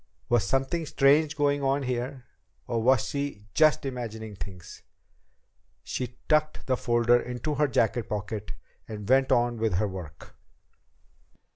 Was something strange going on here? Or was she just imagining things? She tucked the folder into her jacket pocket and went on with her work.